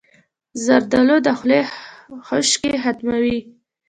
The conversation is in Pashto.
زردالو د خولې خشکي ختموي.